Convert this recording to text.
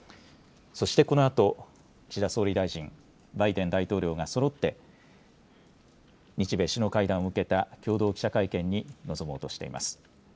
そしてこのあと、岸田総理大臣、バイデン大統領がそろって日米首脳会談を受けた共同記者会見に臨もうとしています。